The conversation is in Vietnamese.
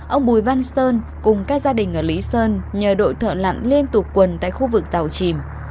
ông bùi văn sơn cùng các gia đình ở lý sơn nhờ đội thợ lặn liên tục quần tại khu vực tàu chìm